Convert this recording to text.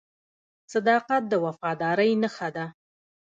• صداقت د وفادارۍ نښه ده.